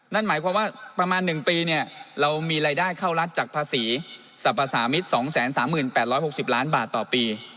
นั่นหมายความว่าประมาณ๑ปีเรามีรายได้เข้ารัฐจากภาษีสรรพสามิตร๒๓๘๖๐ล้านบาทต่อปี